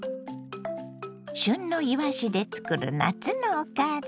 旬のいわしで作る夏のおかず。